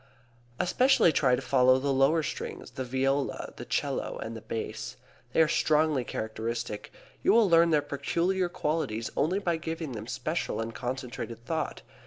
Especially try to follow the lower strings, the viola, the 'cello, and the bass. They are strongly characteristic. You will learn their peculiar qualities only by giving them special and concentrated thought.